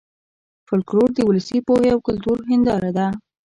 فولکلور د ولسي پوهې او کلتور هېنداره ده